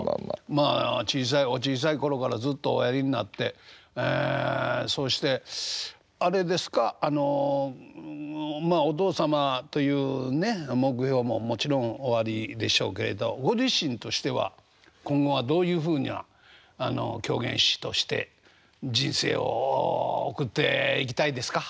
まあ小さいお小さい頃からずっとおやりになってえそうしてあれですかあのまあお父様というね目標ももちろんおありでしょうけれどご自身としては今後はどういうふうな狂言師として人生を送っていきたいですか？